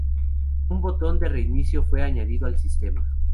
Un botón de reinicio fue añadido al sistema.